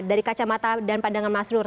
dari kacamata dan pandangan mas nur